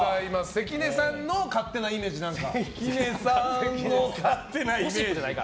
関根さんの勝手なイメージは何か。